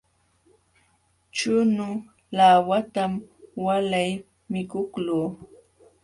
Chunu laawatam walay mikuqluu.